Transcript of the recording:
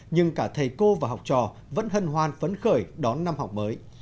nhưng cả thầy cô và học trò vẫn hân hoan phấn khởi đón năm học mới